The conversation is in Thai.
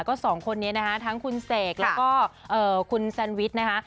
ก็สองคนนี้นะคะทั้งคุณเสกแล้วก็คุณแซนวิชนะคะ